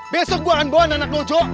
besok gua akan bawa anak lojo